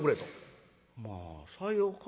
「まあさようか？